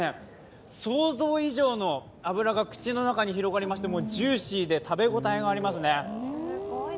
想像以上の脂が口の中に広がりまして、ジューシーで食べ応えがありますね。